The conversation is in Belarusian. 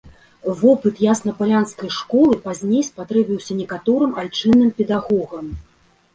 Вопыт яснапалянскай школы пазней спатрэбіўся некаторым айчынным педагогам.